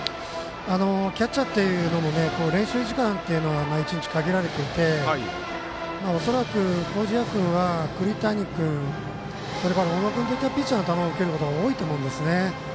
キャッチャーって練習時間は１日と限られていて恐らく麹家君は栗谷君、それか小野君といったピッチャーの球を受けるのが多いと思うんですね。